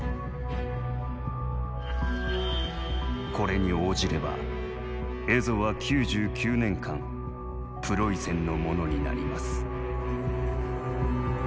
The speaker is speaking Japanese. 「これに応じれば蝦夷は９９年間プロイセンのものになります」。